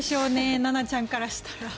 ななちゃんからしたら。